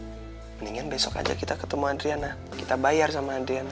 mendingan besok aja kita ketemu adriana kita bayar sama andrian